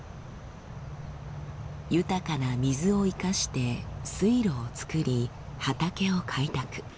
豊かな水を生かして水路を作り畑を開拓。